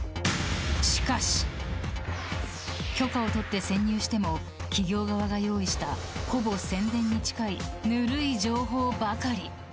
しかし、許可を取って潜入しても企業側が用意したほぼ宣伝に近いぬるい情報ばかり。